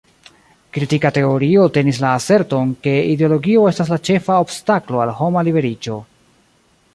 Kritika teorio tenis la aserton, ke ideologio estas la ĉefa obstaklo al homa liberiĝo.